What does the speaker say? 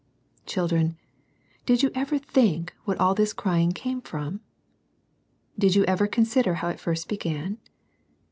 Children, did you ever think what all this crying came from ? Did you ever consider how it first began?